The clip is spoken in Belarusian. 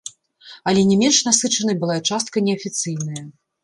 Але не менш насычанай была і частка неафіцыйная.